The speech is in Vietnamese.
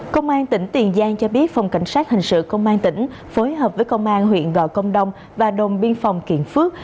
công an tỉnh tiền giang cho biết phòng cảnh sát hình sự công an tỉnh phối hợp với công an huyện gò công đông và đồn biên phòng kiện phước